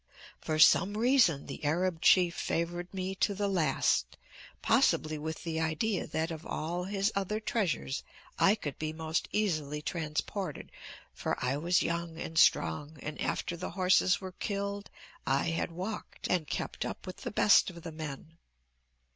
"For some reason the Arab chief favored me to the last, possibly with the idea that of all his other treasures I could be most easily transported, for I was young and strong and after the horses were killed I had walked and kept up with the best of the men.